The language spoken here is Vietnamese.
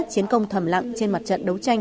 chiến công thầm lặng trên mặt trận đấu tranh